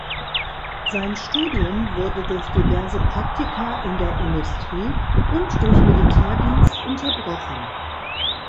Sein Studium wurde durch diverse Praktika in der Industrie und durch Militärdienst unterbrochen.